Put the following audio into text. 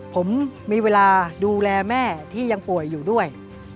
ผมมีเวลาดูแลแม่ที่ยังป่วยอยู่ด้วย